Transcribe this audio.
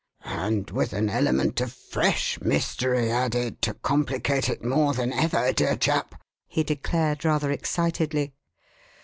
"And with an element of fresh mystery added to complicate it more than ever, dear chap," he declared, rather excitedly.